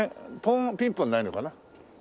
ピンポンないのかな？